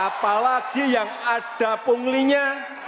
apalagi yang ada punglinya